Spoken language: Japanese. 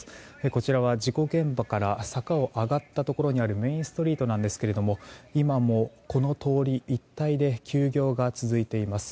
こちらは事故現場から坂を上がったところにあるメインストリートですが今も、この通り一帯で休業が続いています。